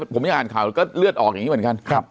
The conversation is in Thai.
ผมยังอ่านข่าวก็เลือดออกอย่างนี้เหมือนกัน